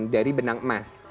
dari benang emas